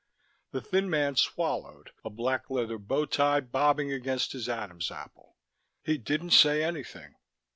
The thin man swallowed, a black leather bow tie bobbing against his Adam's apple. He didn't say anything.